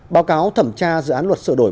báo cáo thẩm tra dự án luật sửa đổi